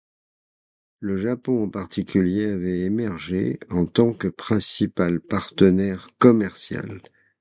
Le Japon en particulier avait émergé en tant que principal partenaire commercial.